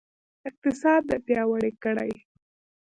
اقتصاد پیاوړی کړئ